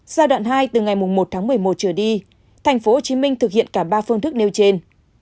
giai đoạn hai từ ngày một tháng một mươi một trở đi tp hcm thực hiện cả ba phương thức nêu trên